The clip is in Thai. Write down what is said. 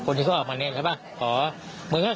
ควรที่เขาออกมาเนี่ยเห็นป่ะ